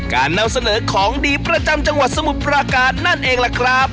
การนำเสนอของดีประจำจังหวัดสมุทรปราการนั่นเองล่ะครับ